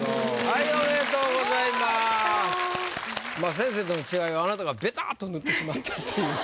先生との違いはあなたがべたっと塗ってしまったっていうね。